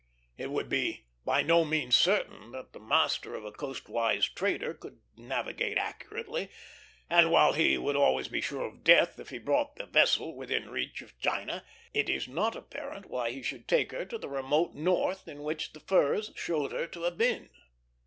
It would be by no means certain that the master of a coastwise trader could navigate accurately; and, while he would always be sure of death if he brought the vessel within reach of China, it is not apparent why he should take her to the remote north in which the furs showed her to have been.